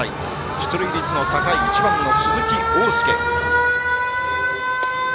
出塁率の高い、１番の鈴木凰介。